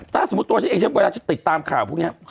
ถ้าสมมติติดตามข่าวพวกนี้